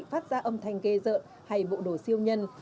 phát ra âm thanh ghê dợn hay bộ đồ siêu nhân